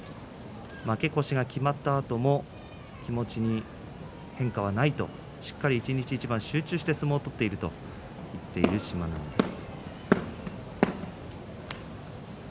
負け越しが決まったあとも気持ちに変化はないとしっかり一日一番集中して相撲を取っているという志摩ノ海です。